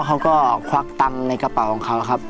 เขาก็ควักตังค์ในกระเป๋าของเขาครับ